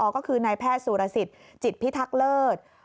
ก็คือนายแพทย์สุรสิทธิ์จิตพิทักษ์เลิศ